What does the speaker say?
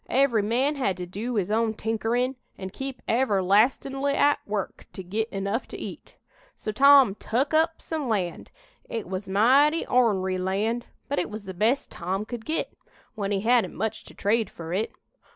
Every man had to do his own tinkerin', an' keep everlastin'ly at work to git enough to eat. So Tom tuk up some land. It was mighty ornery land, but it was the best Tom could git, when he hadn't much to trade fur it.